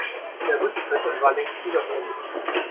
Der Rücktritt war längst überfällig.